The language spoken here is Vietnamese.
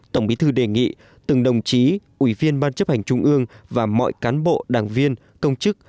tổng bí thư đề nghị từng đồng chí ủy viên ban chấp hành trung ương và mọi cán bộ đảng viên công chức